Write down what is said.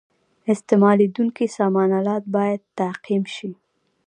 استعمالیدونکي سامان آلات باید تعقیم شي.